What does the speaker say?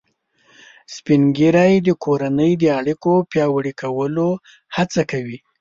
سپین ږیری د کورنۍ د اړیکو پیاوړي کولو هڅه کوي